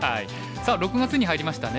さあ６月に入りましたね。